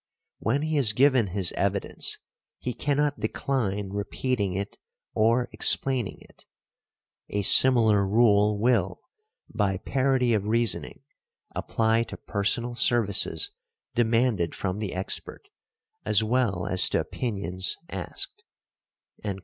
When he has given his evidence he cannot decline repeating it, or explaining it. A similar rule will, by parity of reasoning, apply to personal services demanded from the expert, as well as to opinions asked" .